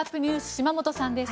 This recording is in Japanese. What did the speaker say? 島本さんです。